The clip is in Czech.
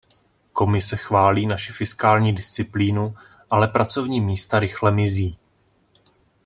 Komise chválí naši fiskální disciplínu, ale pracovní místa rychle mizí.